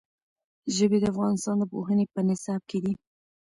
ژبې د افغانستان د پوهنې په نصاب کې دي.